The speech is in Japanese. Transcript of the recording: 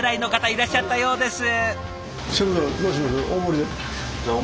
いらっしゃったようです。